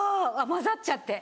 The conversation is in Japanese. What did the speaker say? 交ざっちゃって？